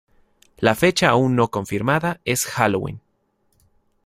La fecha aún no confirmada es Halloween.